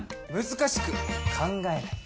難しく考えない。